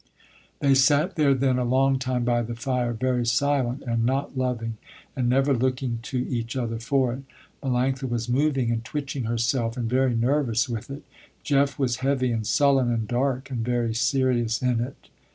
They sat there then a long time by the fire, very silent, and not loving, and never looking to each other for it. Melanctha was moving and twitching herself and very nervous with it. Jeff was heavy and sullen and dark and very serious in it.